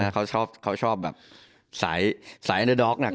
เขาชอบแบบสายเอเนอร์ด็อกหนัก